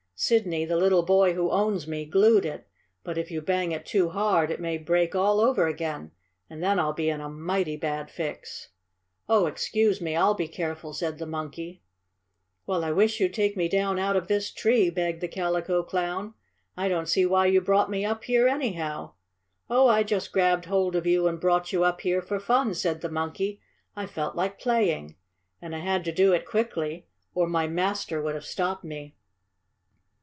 "Sidney, the little boy who owns me, glued it, but if you bang it too hard it may break all over again and then I'll be in a mighty bad fix." "Oh, excuse me. I'll be careful," said the monkey. "Well, I wish you'd take me down out of this tree," begged the Calico Clown. "I don't see why you brought me up here, anyhow." "Oh, I just grabbed hold of you and brought you up here for fun," said the monkey. "I felt like playing. And I had to do it quickly, or my master would have stopped me.